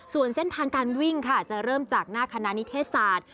ส่วนเส้นทางการวิ่งค่ะจะเริ่มจากหน้าคณะนิเทศศาสตร์